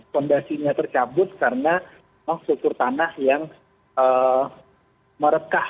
fondasinya tercabut karena sukur tanah yang merekah